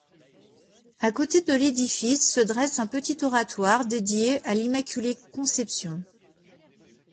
À côté de l'édifice se dresse un petit oratoire dédié à l'Immaculée-Conception.